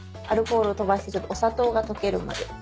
アルコールを飛ばしてお砂糖が溶けるまで。